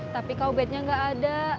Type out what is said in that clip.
tapi kau bednya nggak ada